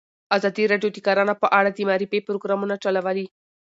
ازادي راډیو د کرهنه په اړه د معارفې پروګرامونه چلولي.